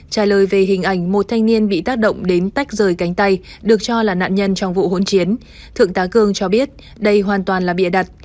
trả lời về hình ảnh một thanh niên bị tác động đến tách rời cánh tay được cho là nạn nhân trong vụ hỗn chiến thượng tá gương cho biết đây hoàn toàn là bịa đặt